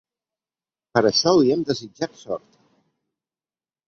Per això li hem desitjat sort.